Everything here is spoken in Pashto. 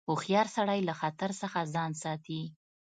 هوښیار سړی له خطر څخه ځان ساتي.